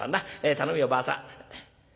頼むよばあさん。